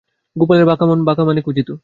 গোপালের বাঁকা মন বাঁকা মানে খুঁজিত।